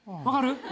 分かる？